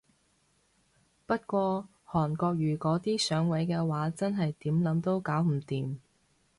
不過韓國瑜嗰啲上位嘅話真係點諗都搞唔掂